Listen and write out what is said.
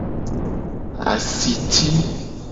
Asiti.